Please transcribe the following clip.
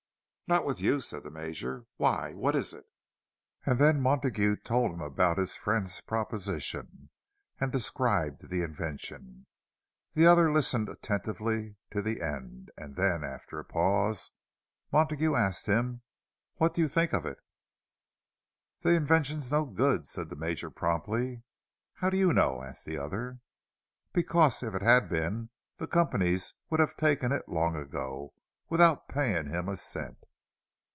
"Not with you," said the Major. "Why? What is it?" And then Montague told him about his friend's proposition, and described the invention. The other listened attentively to the end; and then, after a pause, Montague asked him, "What do you think of it?" "The invention's no good," said the Major, promptly. "How do you know?" asked the other. "Because, if it had been, the companies would have taken it long ago, without paying him a cent."